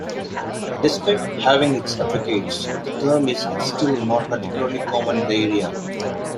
Despite having its advocates, the term is still not particularly common in the area.